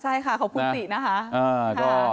ใช่ค่ะขอบคุณตินะคะ